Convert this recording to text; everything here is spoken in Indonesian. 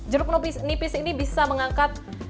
jeruk nipis ini bisa mengangkat